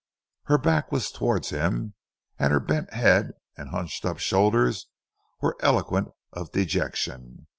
Her back was towards him, and her bent head and hunched up shoulders were eloquent of dejection.